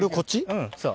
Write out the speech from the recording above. うんそう。